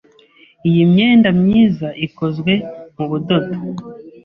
Iyi myenda myiza ikozwe mu budodo.